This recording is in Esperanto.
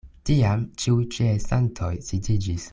Tiam ĉiuj ĉeestantoj sidiĝis.